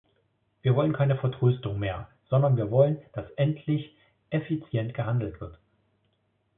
Wir wollen keine Vertröstung mehr, sondern wir wollen, dass endlich effizient gehandelt wird.